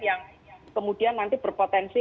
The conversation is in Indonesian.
yang kemudian nanti berpotensi